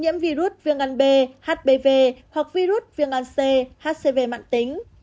nhiễm virus viêm gan b hpv hoặc virus viêm gan c hcv mạng tính